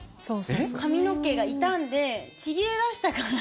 髪の毛が傷んでちぎれ出したから。